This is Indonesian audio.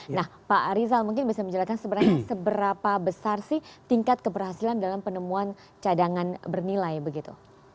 nah pak rizal mungkin bisa menjelaskan sebenarnya seberapa besar sih tingkat keberhasilan dalam penemuan cadangan bernilai begitu